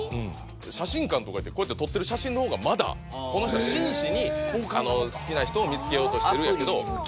写真館とか行ってこうやって撮ってる写真の方がまだこの人は真摯に好きな人を見つけようとしてるんやけど。